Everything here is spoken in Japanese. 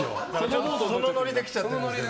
そのノリで来ちゃってるんですよね。